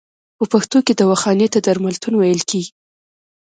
په پښتو کې دواخانې ته درملتون ویل کیږی.